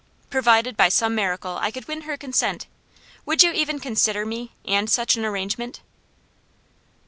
Provided by some miracle I could win her consent, would you even consider me, and such an arrangement?"